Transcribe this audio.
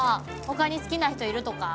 ほかに好きな人いるとか？